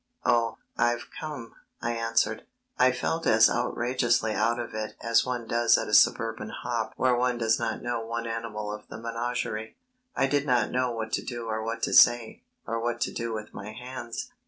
"Oh, I've come," I answered. I felt as outrageously out of it as one does at a suburban hop where one does not know one animal of the menagerie. I did not know what to do or what to say, or what to do with my hands.